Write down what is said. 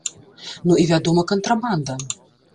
Ну і, вядома, кантрабанда.